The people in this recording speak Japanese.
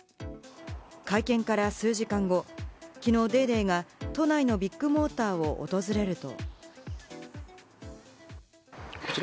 会見から数時間後、きのう『ＤａｙＤａｙ．』が都内のビッグモーターを訪れると。